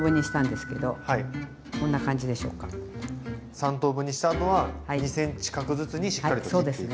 ３等分にした後は２ｃｍ角ずつにしっかりと切っていくと。